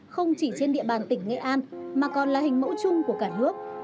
không chỉ trên địa bàn tỉnh nghệ an mà còn là hình mẫu chung của cả nước